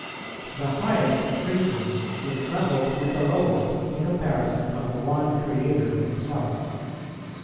The highest of creatures is levelled with the lowest in comparison of the One Creator Himself.